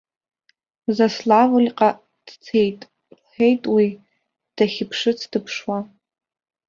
Заславльҟа дцеит, лҳәеит уи, дахьԥшыц дыԥшуа.